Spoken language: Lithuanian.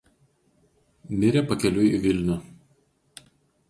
Mirė pakeliui į Vilnių.